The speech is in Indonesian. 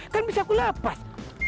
kan bisa aku lepas